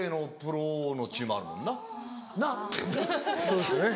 そうですね。